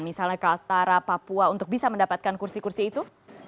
misalnya kaltara papua untuk bisa mendapatkan kursi kursi itu